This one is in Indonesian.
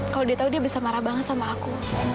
kalau dia tahu dia bisa marah banget sama aku